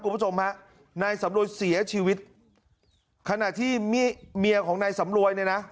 คุณผู้ชมฮะนายสำรวยเสียชีวิตขณะที่เมียของนายสำรวยเนี่ยนะ